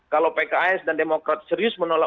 kalau pks dan demokrat serius menolak